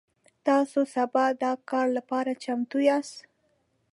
تاسو سبا د کار لپاره چمتو یاست؟